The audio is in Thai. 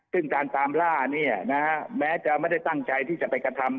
ซึ่งการตามล่าเนี่ยนะฮะแม้จะไม่ได้ตั้งใจที่จะไปกระทำ